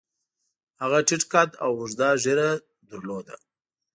هغه ټیټ قد او اوږده ږیره لرله.